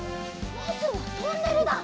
まずはトンネルだ！